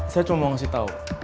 saya cuma mau ngasih tau